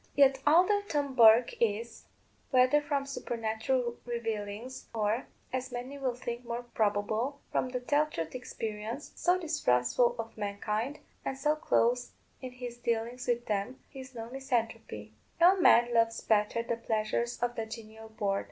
Yet, although Tom Bourke is, whether from supernatural revealings, or (as many will think more probable) from the tell truth experience, so distrustful of mankind, and so close in his dealings with them, he is no misanthrope. No man loves better the pleasures of the genial board.